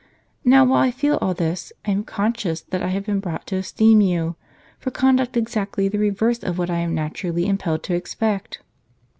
Now, while I feel all this, I am con scious that I have been brought to esteem you, for conduct exactly the revei'se of what I am naturally impelled to expect."